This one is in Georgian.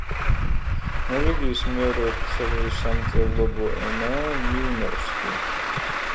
ნორვეგიის მეორე ოფიციალური სამწერლობო ენაა ნიუნორსკი.